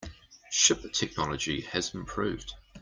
Ship technology has improved.